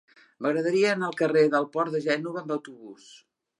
M'agradaria anar al carrer del Port de Gènova amb autobús.